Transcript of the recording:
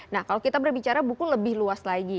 nah kalau kita berbicara buku lebih luas lagi